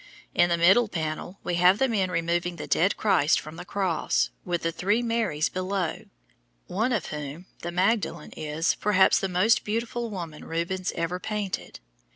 In the middle panel we have the men removing the dead Christ from the cross, with the three Marys below, one of whom, the Magdalen, is, perhaps, the most beautiful woman Rubens ever painted.